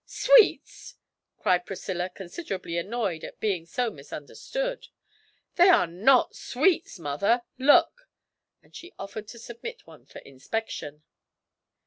'Sweets!' cried Priscilla, considerably annoyed at being so misunderstood, 'they are not sweets, mother. Look!' And she offered to submit one for inspection.